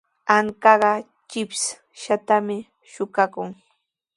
Ankaqa chipshatami suqakun.